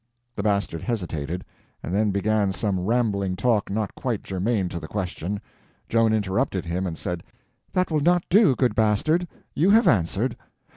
The Bastard hesitated, and then began some rambling talk not quite germane to the question. Joan interrupted him and said: "That will not do, good Bastard, you have answered.